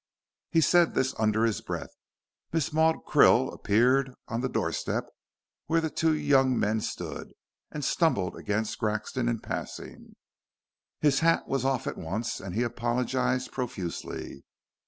He said this under his breath. Miss Maud Krill appeared on the doorstep where the two young men stood and stumbled against Grexon in passing. His hat was off at once, and he apologized profusely.